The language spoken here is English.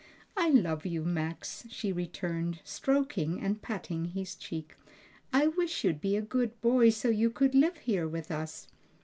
"I love you, Max," she returned, stroking and patting his cheek. "I wish you'd be a good boy, so you could live here with us."